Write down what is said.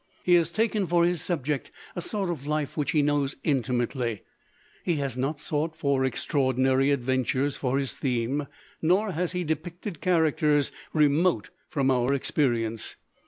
He has taken for his subject a sort of life which he knows, intimately; he has not sought for extraor dinary adventures for his theme, nor has he de picted characters remote from our experience.